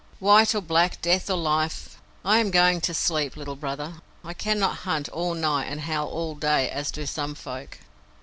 "White or black, or death or life, I am going to sleep, Little Brother. I cannot hunt all night and howl all day, as do some folk."